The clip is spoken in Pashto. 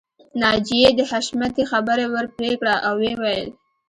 ناجیې د حشمتي خبره ورپرې کړه او ويې ويل